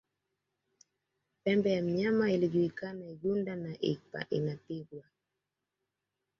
Pembe ya mnyama ikijuliakana igunda na inapigwa